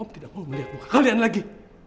tidak mau melihat muka kalian lagi